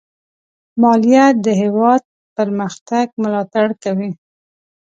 مالیه د هېواد پرمختګ ملاتړ کوي.